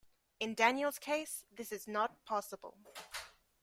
In Daniel's case this is not possible.